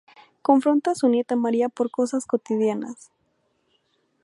Confronta a su nieta María por cosas cotidianas.